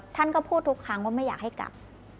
ท่านก็พูดทุกครั้งว่าไม่อยากให้กลับ